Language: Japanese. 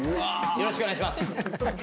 よろしくお願いします。